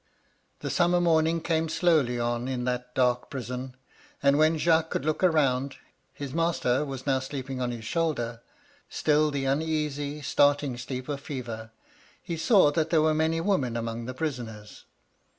" The summer morning came slowly on in that dark prison, and when Jacques could look round — ^his master was now sleeping on his shoulder, still the uneasy. 184 MY LADY LUDLOW. starting sleep of fever, — he saw that there were many women among the prisoners.